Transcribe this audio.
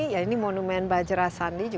ya ini monumen bajera sandi